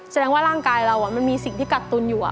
แสดงว่าร่างกายเรามันมีสิ่งที่กักตุนอยู่